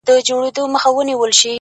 صدقه دي تر تقوا او تر سخا سم.